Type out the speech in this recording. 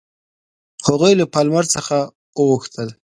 هغوی له پالمر څخه وغوښتل.